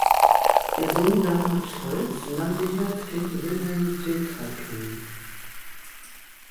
Ihr Sohn Bernhard Scholz lernte hier als Kind Wilhelm Dilthey kennen.